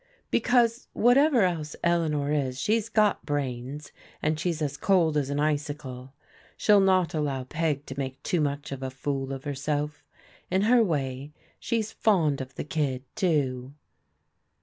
" Because whatever else Eleanor is, she's got brains, and she's as cold as an icicle. She'll not allow Peg to make too much of a fool of herself. In her way she's fond of the kid, too."